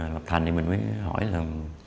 lộc thành thì mình mới hỏi là